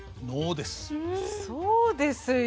そうですよ